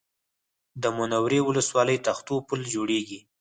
د منورې ولسوالۍ تختو پل جوړېږي